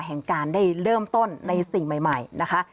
แห่งการได้เริ่มต้นในสิ่งใหม่นะคะ